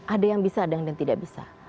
ada yang bisa ada yang tidak bisa